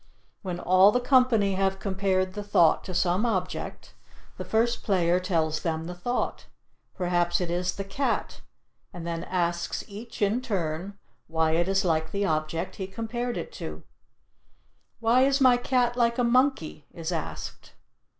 When all the company have compared the thought to some object, the first player tells them the thought perhaps it is "the cat" and then asks each, in turn, why it is like the object he compared it to. "Why is my cat like a monkey?" is asked.